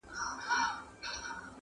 o نور ئې نور، عثمان ته هم غورځېدی!